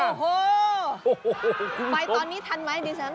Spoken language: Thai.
ไปตอนนี้ทันไหมดิฉัน